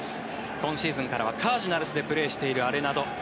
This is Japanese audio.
今シーズンからはカージナルスでプレーしているアレナード。